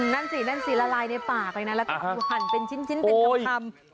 นั่นสินั่นสิละลายในปากเลยนะแล้วก็เอาหั่นเป็นชิ้นเป็นคำ